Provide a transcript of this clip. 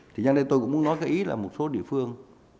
thì nhân đây tôi cũng muốn nói cái ý là một số địa phương